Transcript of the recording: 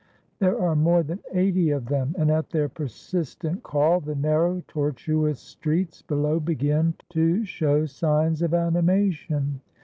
There are more than eighty of them, and at their persistent call the narrow, tortuous streets below begin to show signs of animation.